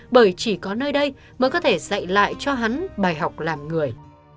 bởi chỉ có nơi đây mới có thể dạy lại cho hắn bài học làm người